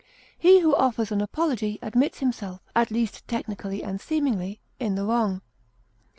He who offers an apology admits himself, at least technically and seemingly, in the wrong.